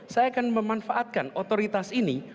saya akan memanfaatkan otoritas ini